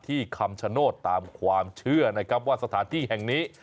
คำชโนธตามความเชื่อนะครับว่าสถานที่แห่งนี้